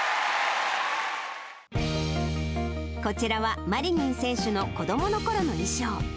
こちらは、マリニン選手の子どものころの衣装。